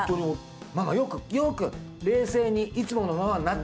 ママよくよく冷静にいつものママになって。